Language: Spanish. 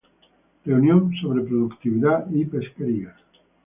Reunión sobre productividad y pesquerías.